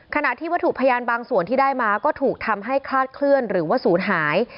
ขณะที่วัตถุพยานบางส่วนที่ได้มาก็ถูกทำให้คลาดเคลื่อนหรือว่าศูนย์หาย